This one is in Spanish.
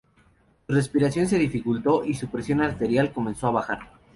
Su respiración se dificultó y su presión arterial comenzó a bajar.